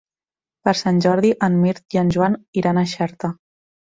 Per Sant Jordi en Mirt i en Joan iran a Xerta.